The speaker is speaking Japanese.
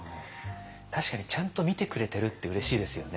確かにちゃんと見てくれてるってうれしいですよね。